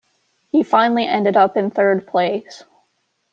He finally ended up in third place.